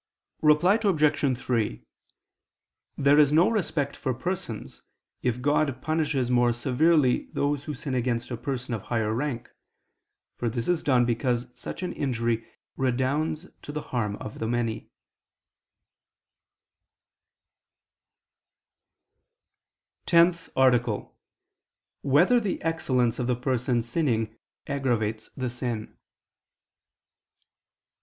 Reply Obj. 3: There is no respect for persons if God punishes more severely those who sin against a person of higher rank; for this is done because such an injury redounds to the harm of many. ________________________ TENTH ARTICLE [I II, Q. 73, Art. 10] Whether the Excellence of the Person Sinning Aggravates the Sin?